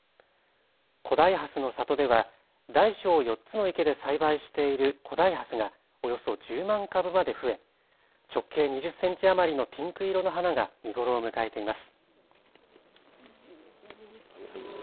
古代蓮の里では大小４つの池で栽培している古代ハスがおよそ１０万株まで増え直径２０センチ余りのピンク色の花が見頃を迎えています。